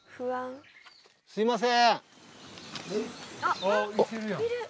すみません。